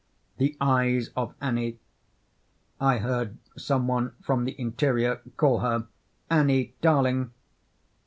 The eyes of Annie (I heard some one from the interior call her "Annie, darling!")